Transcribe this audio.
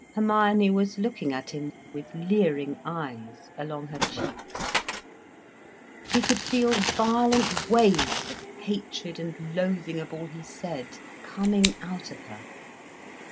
'" Hermione was looking at him with leering eyes, along her cheeks. He could feel violent waves of hatred and loathing of all he said, coming out of her.